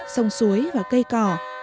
sông suối và cây cỏ